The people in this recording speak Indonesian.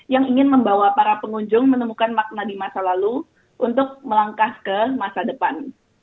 yang ingin membawa para pengunjung menemukan makna di masa lalu untuk melangkah ke masa depan